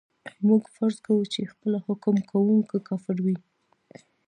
موږ فرض کوو چې خپله حکم کوونکی کافر وای.